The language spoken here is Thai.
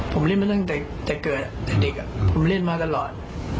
ผมเล่นมาตั้งแต่เกิดแต่เด็กผมเล่นมาตลอด